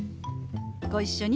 ご一緒に。